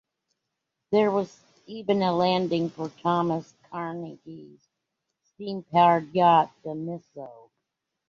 There was even a landing for Thomas Carnegie's steam-powered yacht, the "Missoe".